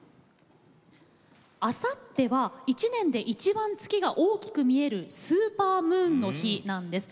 あさっては一年で一番、月が大きく見えるスーパームーンの日なんです。